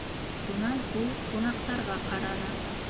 Шунан ул ҡунаҡтарға ҡараны.